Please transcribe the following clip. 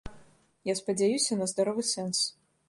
Я спадзяюся на здаровы сэнс.